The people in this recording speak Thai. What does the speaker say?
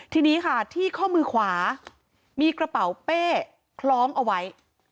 ทีนี้ค่ะที่ข้อมือขวามีกระเป๋าเป้คล้องเอาไว้